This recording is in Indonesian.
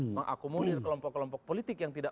mengakomodir kelompok kelompok politik yang tidak